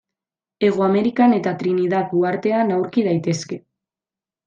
Hego Amerikan eta Trinidad uhartean aurki daitezke.